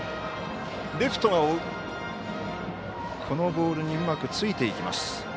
このボールにうまくついていきます。